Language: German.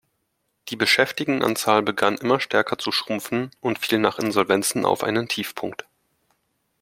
Die Beschäftigtenzahl begann immer stärker zu schrumpfen und fiel nach Insolvenzen auf einen Tiefpunkt.